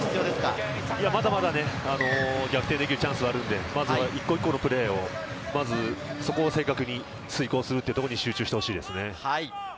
まだまだ逆転できるチャンスはありますので、一つ一つのプレーを正確に遂行するところに集中してほしいですね。